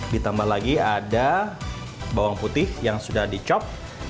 ditambah lagi ada bawang putih yang sudah dicop